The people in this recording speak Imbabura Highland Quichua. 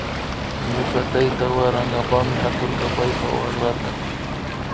Ñuka tayta warankapami haturka paypa wakrata